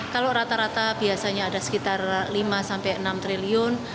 kalau rata rata biasanya ada sekitar lima sampai enam triliun